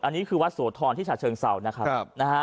อันนี้คือวัดโสธรที่ฉาเชิงเศร้านะครับ